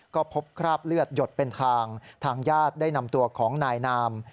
ก็พบคราบเลือดหยดเป็นทางทางญาติได้นำตัวของนายนาม